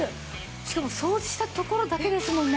しかも掃除した所だけですもんね。